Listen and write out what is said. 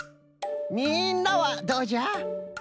みんなはどうじゃ？